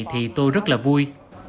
thì tôi rất là vui